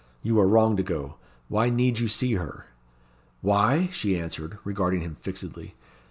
"You are wrong to go. Why need you see her?" "Why?" she answered, regarding him fixedly.